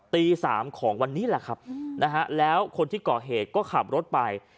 ตี๓ของวันนี้แหละครับนะฮะแล้วคนที่ก่อเหตุก็ขับรถไป